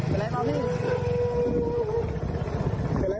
เป็นไรเปล่าพี่